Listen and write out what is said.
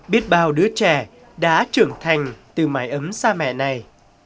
biết bao đứa trẻ đã trưởng thành từ mái ấm sa mẹ này